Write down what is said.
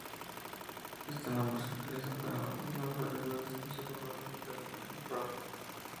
Este nombre se utiliza para nombrar las variedades conservadoras del nynorsk.